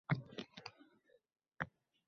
Faqat rangi har xil: oq, qora, ko‘kimtir...